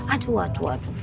aduh aduh aduh